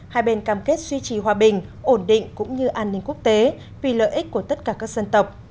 hai bên cam kết duy trì hòa bình ổn định cũng như an ninh quốc tế vì lợi ích của tất cả các dân tộc